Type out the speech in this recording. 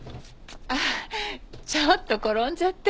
あっちょっと転んじゃって。